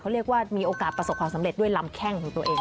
เรียกว่ามีโอกาสประสบความสำเร็จด้วยลำแข้งของตัวเอง